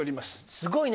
すごいね。